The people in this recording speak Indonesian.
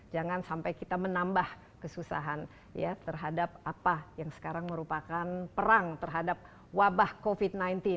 jangan sampai kita menambah kesusahan ya terhadap apa yang sekarang merupakan perang terhadap wabah covid sembilan belas